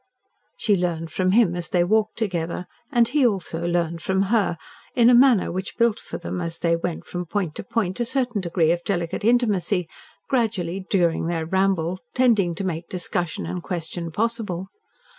She learned from him, as they walked together, and he also learned from her, in a manner which built for them as they went from point to point, a certain degree of delicate intimacy, gradually, during their ramble, tending to make discussion and question possible.